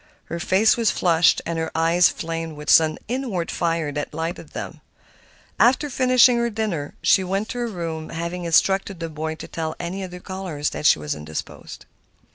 Her face was flushed and her eyes flamed with some inward fire that lighted them. After finishing her dinner she went to her room, having instructed the boy to tell any other callers that she was indisposed.